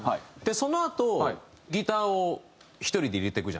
そのあとギターを１人で入れてくじゃないですか。